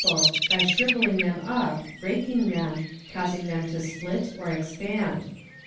by shrivelling them up, breaking them, causing them to split, or expand.